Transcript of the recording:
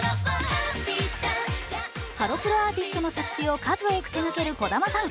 ハロプロアーティストの作詞を数多く手がける児玉さん。